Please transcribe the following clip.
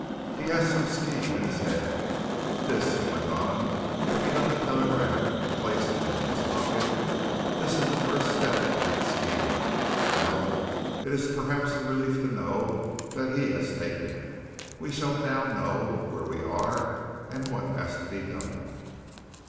"He has some scheme in his head. This," he went on, picking up the telegram and placing it in his pocket, "this is the first step in that scheme. Well, it is perhaps a relief to know that he has taken it: we shall now know where we are and what has to be done."